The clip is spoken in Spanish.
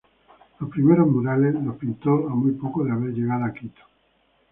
Los primeros murales los pintó a muy poco de haber llegado a Quito.